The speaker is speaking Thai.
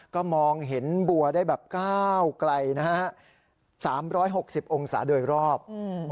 ก็มองเห็นบัวได้แบบเก้าไกลนะฮะสามร้อยหกสิบองศาโดยรอบอืม